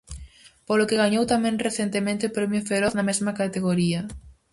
Polo que gañou tamén recentemente o Premio Feroz, na mesma categoría.